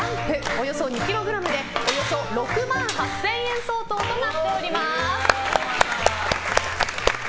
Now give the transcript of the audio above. およそ２ｋｇでおよそ６万８０００円相当となっております。